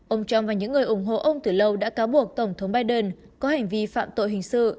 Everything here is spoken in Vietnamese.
ông trump và những người ủng hộ ông từ lâu đã cáo buộc tổng thống biden có hành vi phạm tội hình sự